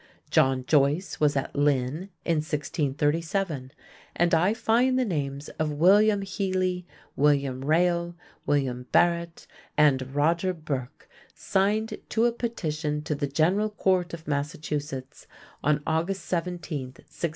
John Joyce was at Lynn in 1637, and I find the names of Willyam Heally, William Reyle, William Barrett, and Roger Burke signed to a petition to the General Court of Massachusetts on August 17, 1664.